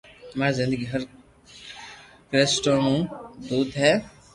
ماري زندگي ھر ڪوݾݾ تمو نت ھي